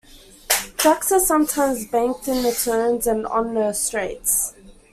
Tracks are sometimes banked in the turns and on the straights.